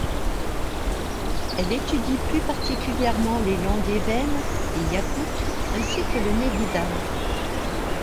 Elle étudie plus particulièrement les langues évène et iakoute, ainsi que le néguidale.